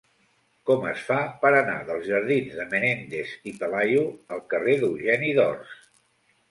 Com es fa per anar dels jardins de Menéndez y Pelayo al carrer d'Eugeni d'Ors?